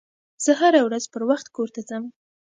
زه هره ورځ پروخت کور ته ځم